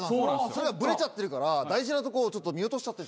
それがブレちゃってるから大事なとこを見落としちゃって。